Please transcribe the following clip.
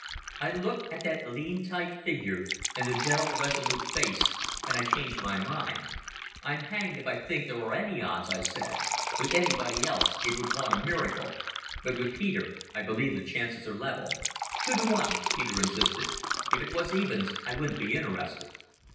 I looked at that lean, tight figure and the gentle, resolute face, and I changed my mind. "I'm hanged if I think there are any odds," I said. "With anybody else it would want a miracle, but with Peter I believe the chances are level." "Two to one," Peter persisted. "If it was evens I wouldn't be interested."